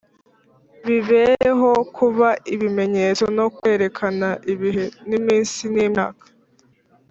bibereho kuba ibimenyetso no kwerekana ibihe n’iminsi n’imyaka,